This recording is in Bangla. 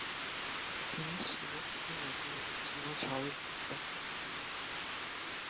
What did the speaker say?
তিনি সিমা য়ির নাতী এবং সিমা ঝাওয়ের পুত্র।